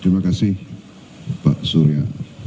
terima kasih pak surya